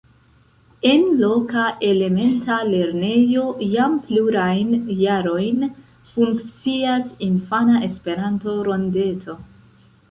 En loka elementa lernejo jam plurajn jarojn funkcias infana Esperanto-rondeto.